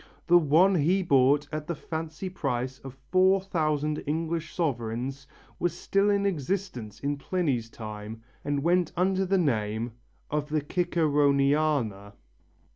The one he bought at the fancy price of 4000 English sovereigns was still in existence in Pliny's time and went under the name of the Ciceroniana.